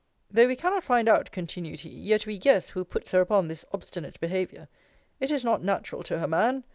Though we cannot find out, continued he, yet we guess, who puts her upon this obstinate behaviour. It is not natural to her, man.